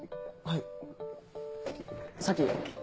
はい。